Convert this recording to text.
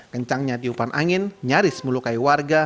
kencangnya tiupan angin nyaris melukai warga